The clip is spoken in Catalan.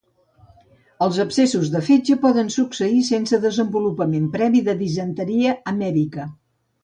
Els abscessos de fetge poden succeir sense desenvolupament previ de disenteria amèbica.